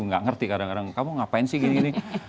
nggak ngerti kadang kadang kamu ngapain sih gini gini